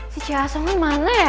si cih asoh mana ya